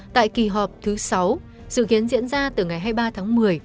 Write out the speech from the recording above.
tại kỳ họp thứ sáu dự kiến diễn ra từ ngày hai mươi ba tháng một mươi